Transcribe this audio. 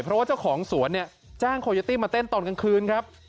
เพราะเจ้าของสวนจ้างโคยทตี้มาเต้นตอนกลางคืน